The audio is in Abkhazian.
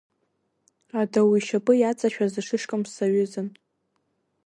Адау ишьапы иаҵашәаз ашышкамс саҩызан.